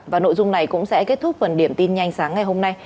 và nội dung này cũng sẽ kết thúc phần điểm tin nhanh sáng ngày hôm nay